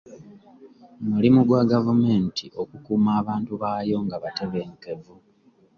Mulimu gwa gavumenti okukuuma abantu baayo nga batebenkevu.